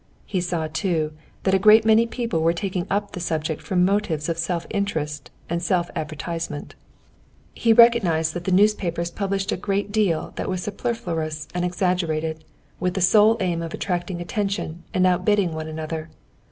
He saw, too, that a great many people were taking up the subject from motives of self interest and self advertisement. He recognized that the newspapers published a great deal that was superfluous and exaggerated, with the sole aim of attracting attention and outbidding one another.